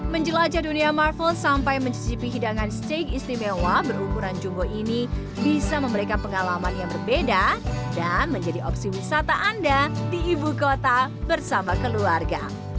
menjelajah dunia marvel sampai mencicipi hidangan steak istimewa berukuran jumbo ini bisa memberikan pengalaman yang berbeda dan menjadi opsi wisata anda di ibu kota bersama keluarga